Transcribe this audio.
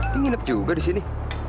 nginep juga di sini